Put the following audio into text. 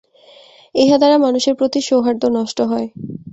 ইহা দ্বারা মানুষের প্রতি মানুষের সৌহার্দ্য নষ্ট হয়।